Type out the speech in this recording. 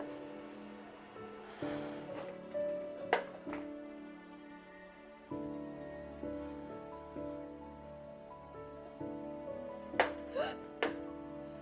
ini cuma ganti bawah lam kok